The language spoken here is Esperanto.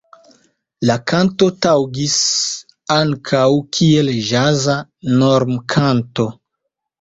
La kanto taŭgis ankaŭ kiel ĵaza normkanto.